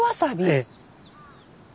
ええ。